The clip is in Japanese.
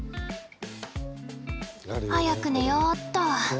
早く寝ようっと。